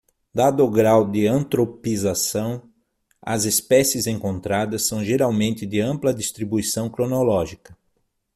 Dado o grau de antropização, as espécies encontradas são geralmente de ampla distribuição cronológica.